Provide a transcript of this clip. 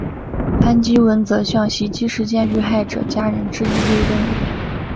潘基文则向袭击事件遇害者家人致以慰问。